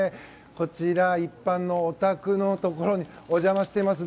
こちら、一般のお宅のところにお邪魔しています。